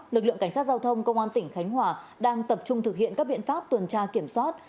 lực lượng cảnh sát giao thông công an tỉnh khánh hòa đang tập trung thực hiện các biện pháp tuần tra kiểm soát